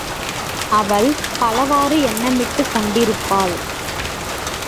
அவள் பலவாறு எண்ணமிட்டுக் கொண்டிருப்பாள்.